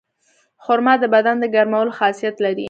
خرما د بدن د ګرمولو خاصیت لري.